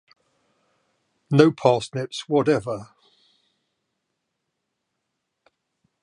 No parsnips whatever.